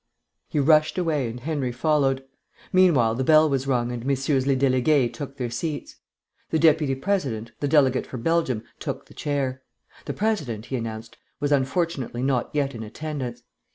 He rushed away, and Henry followed. Meanwhile the bell was rung and MM. les Délégués took their seats. The deputy President, the delegate for Belgium, took the chair. The President, he announced, was unfortunately not yet in attendance.